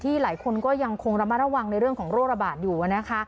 หลายคนก็ยังคงระมัดระวังในเรื่องของโรคระบาดอยู่นะคะ